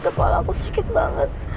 kepalaku sakit banget